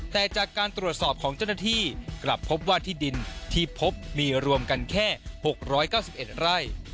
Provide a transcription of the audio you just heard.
แต่จากการตรวจสอบของเจ้าหน้าที่กลับพบว่าที่ดินที่พบมีรวมกันแค่๖๙๑ไร่